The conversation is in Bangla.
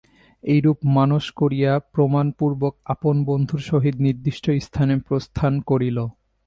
এইরূপ মানস করিয়া প্রণামপূর্বক আপন বন্ধুর সহিত নির্দিষ্ট স্থানে প্রস্থান করিল।